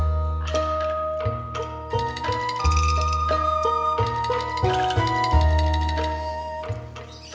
hal itu mirip memiliki anak